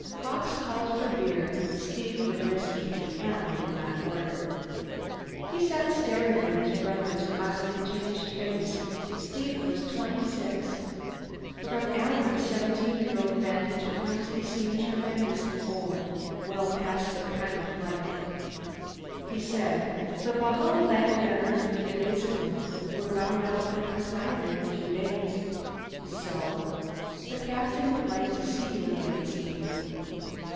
Hawkes called for beer, Steve for whiskey; Alan did not order. He sat staring at his brother's oddly changed face. Steve was twenty six. From Alan's seventeen year old vantage point, that seemed tremendously old, well past the prime of life. He said, "The Valhalla landed on Earth a few days ago. We're bound out for Procyon in a few days." "So?" "The Captain would like to see you again, Steve."